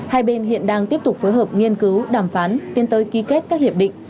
hai bên hiện đang tiếp tục phối hợp nghiên cứu đàm phán tiến tới ký kết các hiệp định